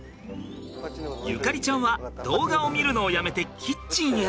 縁ちゃんは動画を見るのをやめてキッチンへ。